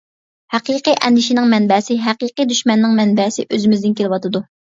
ھەقىقىي ئەندىشىنىڭ مەنبەسى، ھەقىقىي دۈشمەننىڭ مەنبەسى ئۆزىمىزدىن كېلىۋاتىدۇ.